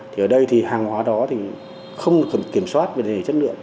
thì ở đây thì hàng hóa đó thì không được kiểm soát về chất lượng